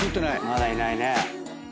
まだいないね。